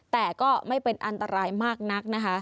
แต่ก็ไม่เป็นอันตรายมากนักนะคะ